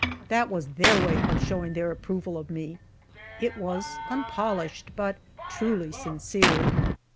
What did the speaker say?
That was their way of showing their approval of me. It was unpolished, but truly sincere.